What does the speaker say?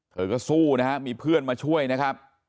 เธอก็สู้นะฮะมีเพื่อนมาช่วยนะครับ